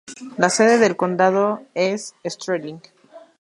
La sede del condado es Sterling.